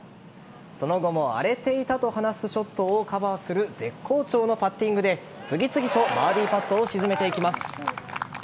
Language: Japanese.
その後も荒れていたと話すショットをカバーする絶好調のパッティングで次々とバーディーパットを沈めていきます。